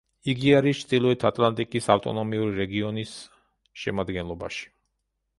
იგი არის ჩრდილოეთ ატლანტიკის ავტონომიური რეგიონის შემადგენლობაში.